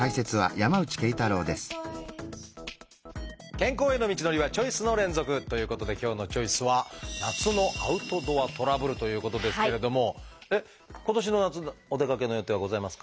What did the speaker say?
健康への道のりはチョイスの連続！ということで今日の「チョイス」は今年の夏お出かけの予定はございますか？